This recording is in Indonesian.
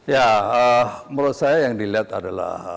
ya menurut saya yang dilihat adalah